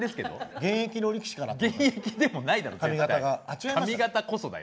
現役の力士かなと。